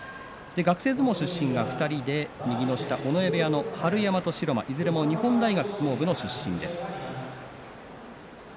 学生相撲出身が２人で尾上部屋の春山と城間いずれも日本大学相撲部出身です。